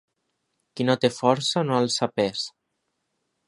Qui no té força no alça pes.